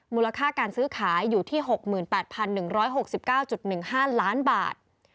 มูลค่าการซื้อขายอยู่ที่๖๘๑๖๙๑๕ล้านบาท